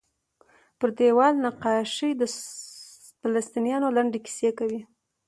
پر دیوال نقاشۍ د فلسطینیانو لنډې کیسې کوي.